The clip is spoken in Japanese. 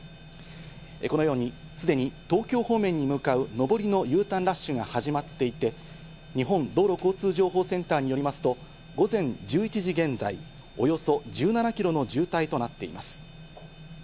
このようにすでに東京方面に向かう上りのＵターンラッシュが始まっていて、日本道路交通情報センターによりますと、午前１１時現在、およそ１７キロの渋滞となっています。